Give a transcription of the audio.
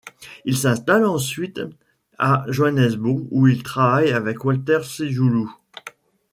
Il s'installe ensuite à Johannesburg où il travaille avec Walter Sisulu.